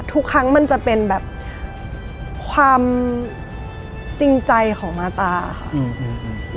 ทุกครั้งมันจะเป็นแบบความจริงใจของมาตาค่ะอืม